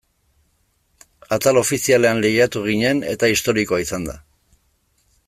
Atal ofizialean lehiatu ginen eta historikoa izan da.